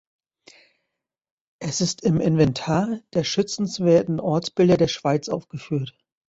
Es ist im Inventar der schützenswerten Ortsbilder der Schweiz aufgeführt.